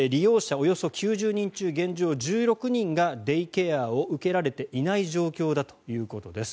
およそ９０人中現状１６人がデイケアを受けられていない状況だということです。